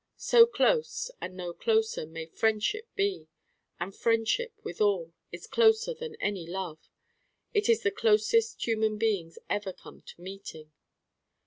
So close and no closer may friendship be. And friendship, with all, is closer than any love. It is the closest human beings ever come to meeting.